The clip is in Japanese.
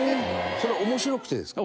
それは面白くてですか？